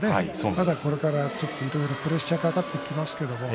まだこれからいろいろプレッシャーがかかってきますけど。